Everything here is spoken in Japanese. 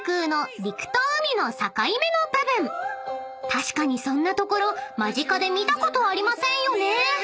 ［確かにそんな所間近で見たことありませんよね］